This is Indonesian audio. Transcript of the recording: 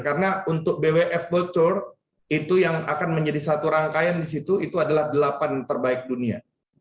karena untuk bwf world tour itu yang akan menjadi satu rangkaian disitu itu adalah delapan terbaik dunia